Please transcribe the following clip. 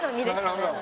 なるほど。